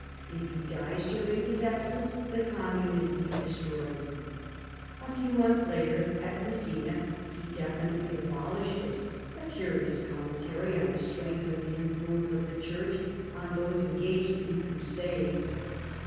If he dies during his absence the commune is to be destroyed. A few months later, at Messina, he definitely abolished it — a curious com mentary on the strength of the influence of the Church on those engaged in crusade.